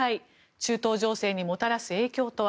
中東情勢にもたらす影響とは。